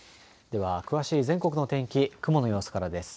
では詳しい全国の天気、雲の様子からです。